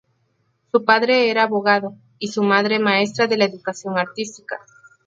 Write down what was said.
Su padre era abogado, y su madre maestra de la educación artística.